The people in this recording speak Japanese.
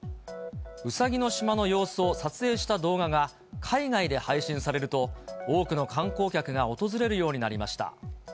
ウサギの島の様子を撮影した動画が海外で配信されると、多くの観光客が訪れるようになりました。